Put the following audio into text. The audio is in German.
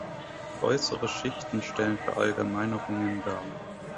Äußere Schichten stellen Verallgemeinerungen dar.